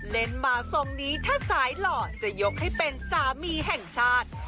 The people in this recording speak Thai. เล่นมาทรงนี้ถ้าสายหล่อจะยกให้เป็นสามีแห่งชาติ